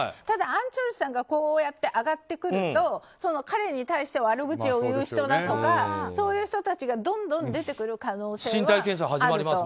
ただ、アン・チョルスさんがこうやって上がってくると彼に対して悪口を言う人だとかそういう人たちがどんどん身体検査が始まりますもんね。